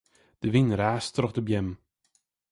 De wyn raast troch de beammen.